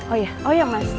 oh iya oh ya mas